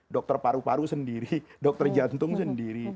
dokter paru paru sendiri dokter jantung sendiri